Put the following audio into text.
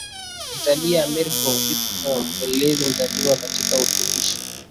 Italia Amerigo Vespucci mpelelezi Mwitalia katika utumishi